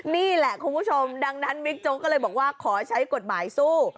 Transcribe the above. นี่แหละคุณผู้ชมดังนั้นบิ๊กโจ๊กก็เลยบอกว่าขอใช้กฎหมายสู้